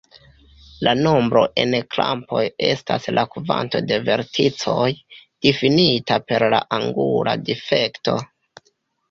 La nombro en krampoj estas la kvanto de verticoj, difinita per la angula difekto.